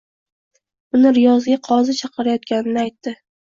Uni Riyozga qozi chaqirtirayotganini aytdi.